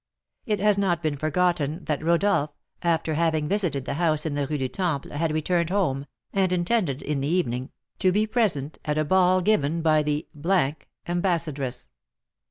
It has not been forgotten that Rodolph, after having visited the house in the Rue du Temple, had returned home, and intended, in the evening, to be present at a ball given by the ambassadress.